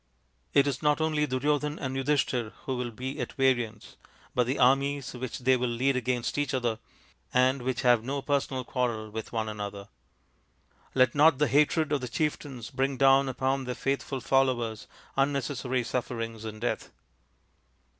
It is not only Duryodhan and Yudhishthir who will be at variance, but the armies which they will lead against each other, and which have no personal quarrel with one another. Let not the hatred of the chieftains bring down upon their faithful followers unnecessary sufferings and death."